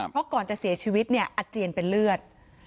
เพราะก่อนจะเสียชีวิตเนี่ยอาเจียนเป็นเลือด